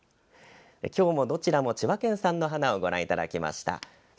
今日もどちらも千葉県産の花をご覧いただきました。